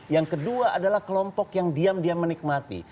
yang kedua adalah kelompok yang diam diam menikmati